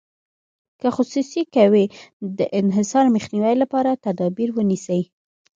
که خصوصي کوي د انحصار مخنیوي لپاره تدابیر ونیسي.